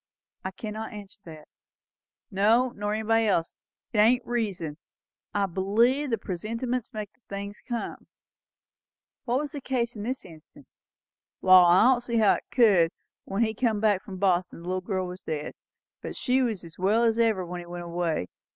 "I cannot answer that." "No, nor nobody else. It ain't reason. I believe the presentiments makes the things come." "Was that the case in this instance?" "Wall, I don't see how it could. When he come back from Boston, the little girl was dead; but she was as well as ever when he went away.